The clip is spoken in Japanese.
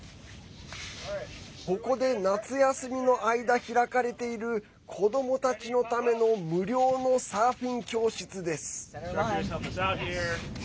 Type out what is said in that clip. ここで夏休みの間、開かれている子どもたちのための無料のサーフィン教室です。